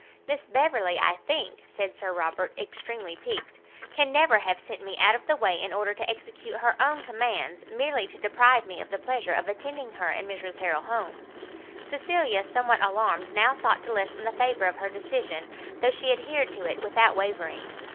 "Miss Beverley, I think," said Sir Robert, extremely piqued, "can never have sent me out of the way in order to execute her own commands, merely to deprive me of the pleasure of attending her and Mrs Harrel home." Cecilia, somewhat alarmed, now sought to lessen the favour of her decision, though she adhered to it without wavering.